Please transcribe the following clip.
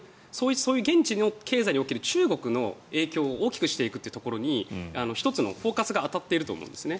そういう現地の経済における中国の影響を大きくしていくというところに１つのフォーカスが当たっていると思うんですね。